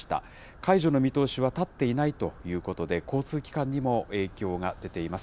解除の見通しは立っていないということで、交通機関にも影響が出ています。